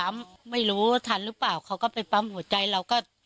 ไม่รู้ทันหรือเปล่าเขาก็ไปปั๊มหัวใจเราก็